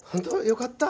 よかった。